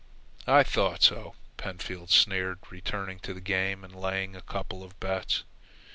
"I thought so," Pentfield sneered, returning to the game and laying a couple of bets.